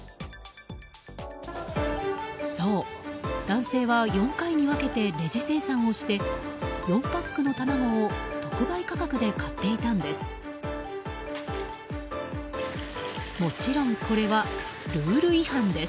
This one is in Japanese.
そう、男性は４回に分けてレジ精算をして４パックの卵を特売価格で買っていたんです。